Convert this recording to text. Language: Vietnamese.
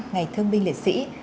ngày thương binh liệt sĩ